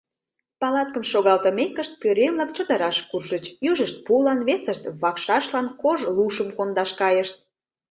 Палаткым шогалтымекышт, пӧръеҥ-влак чодыраш куржыч: южышт пулан, весышт — вакшашлан кож лушым кондаш кайышт.